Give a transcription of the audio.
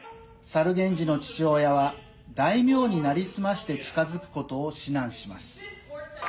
猿源氏の父親は大名に成り済まして近づくことを指南します。